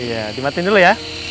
iya dimatin dulu ya